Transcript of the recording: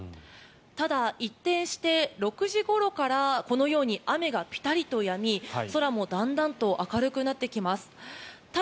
ただ一転して６時ごろからこのように雨がぴたりとやみ空もだんだんと明るくなってきました。